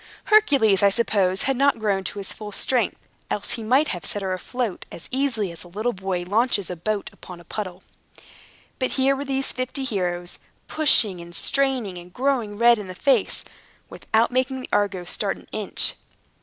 Hercules, I suppose, had not grown to his full strength, else he might have set her afloat as easily as a little boy launches his boat upon a puddle. But here were these fifty heroes, pushing, and straining, and growing red in the face, without making the Argo start an inch.